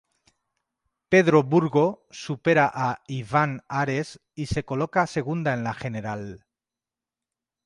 Pedro Burgo supera a Iván Ares, y se coloca segunda en la general.